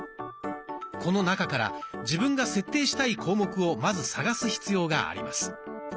この中から自分が設定したい項目をまず探す必要があります。